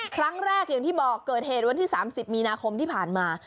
ครั้งแรกอย่างที่บอกเกิดเหตุวันที่๓๐มีนาคมที่ผ่านมา